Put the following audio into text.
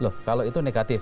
loh kalau itu negatif